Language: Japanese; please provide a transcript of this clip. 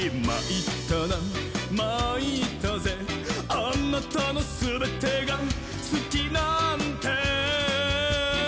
「あなたのすべてがすきなんて」